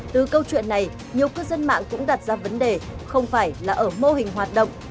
từ câu chuyện này nhiều cư dân mạng cũng đặt ra vấn đề không phải là ở mô hình hoạt động